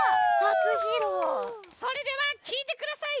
それでは聴いてください。